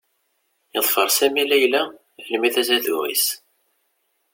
Yeḍfer Sami Layla almi d azaduɣ-is.